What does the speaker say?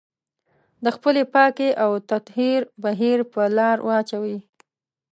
د خپلې پاکي او تطهير بهير په لار واچوي.